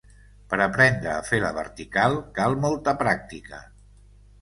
Per aprendre a fer la vertical cal molta pràctica.